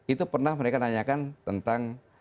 itu pernah mereka nanyakan tentang